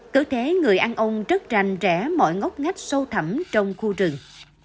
cứ thế người ăn ông rất rành rẽ mọi ngốc ngách sâu thẳm trong khu rừng